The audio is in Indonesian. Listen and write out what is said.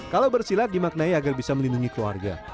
kalau bersilat dimaknai agar bisa melindungi keluarga